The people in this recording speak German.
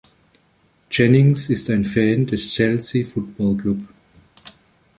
Jennings ist ein Fan des Chelsea Football Club.